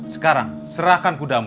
sekarang serahkan kudamu